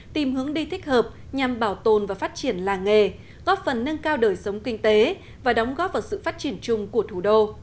tìm hướng đi thích hợp nhằm bảo tồn và phát triển làng nghề góp phần nâng cao đời sống kinh tế và đóng góp vào sự phát triển chung của thủ đô